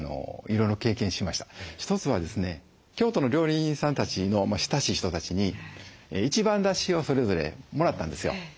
一つはですね京都の料理人さんたちの親しい人たちに一番だしをそれぞれもらったんですよ。